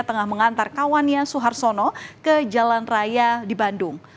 tengah mengantar kawannya suhartono ke jalan raya di bandung